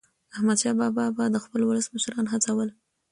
احمدشاه بابا به د خپل ولس مشران هڅول.